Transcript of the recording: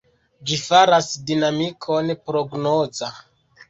Ĝi faras dinamikon prognoza.